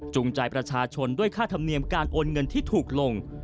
ใจประชาชนด้วยค่าธรรมเนียมการโอนเงินที่ถูกลง